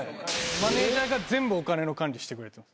マネジャーが全部お金の管理してくれてます。